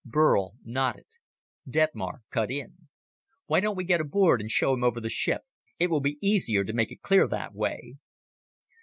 Burl nodded. Detmar cut in. "Why don't we get aboard and show him over the ship? It will be easier to make it clear that way."